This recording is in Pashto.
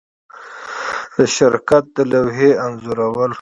د شرکت د لوحې انځورول